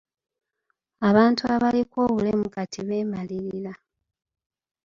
Abantu abaliko obulemu kati beemalirira.